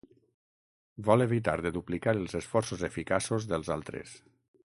Vol evitar de duplicar els esforços eficaços dels altres.